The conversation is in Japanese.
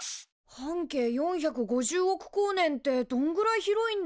半径４５０億光年ってどんぐらい広いんだろ？